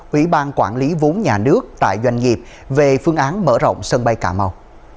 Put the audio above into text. ủy ban quản lý vốn nhà nước tại doanh nghiệp về phương án mở rộng sân bay cà mau